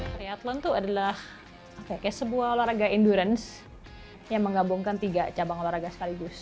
triathlon itu adalah sebuah olahraga endurance yang menggabungkan tiga cabang olahraga sekaligus